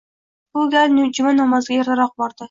Bu gal juma namoziga ertaroq bordi